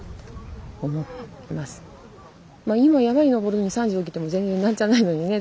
まあ今山に登るのに３時に起きても全然なんちゃないのにね。